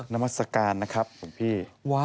น้ำมัสกาลนะครับหลวงพี่